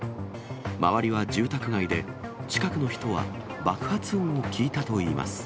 周りは住宅街で、近くの人は爆発音を聞いたといいます。